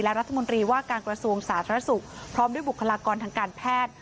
และรัฐมนตรีว่าการกระทรวงสาธารณสุขพร้อมด้วยบุคลากรทางการแพทย์